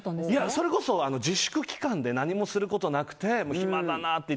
それこそ、自粛期間で何もすることなくて暇だなって。